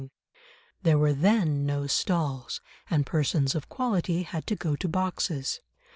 There were then no stalls, and persons of "quality" had to go to boxes.